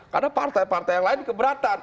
karena partai partai yang lain keberatan